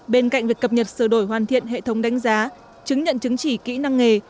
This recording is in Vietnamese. bên cạnh việc cập nhật sửa đổi hoàn thiện hệ thống đánh giá chứng nhận chứng chỉ kỹ năng nghề